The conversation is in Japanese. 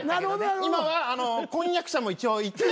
今は婚約者も一応いて。